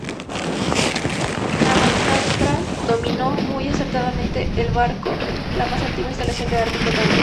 Ramachandran denominó muy acertadamente al barco "la más antigua instalación de arte flotante".